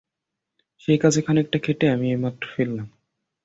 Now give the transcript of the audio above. সেই কাজে খানিকটা খেটে আমি এইমাত্র ফিরলাম।